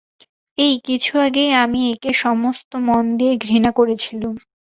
এই কিছু-আগেই আমি একে সমস্ত মন দিয়ে ঘৃণা করেছিলুম।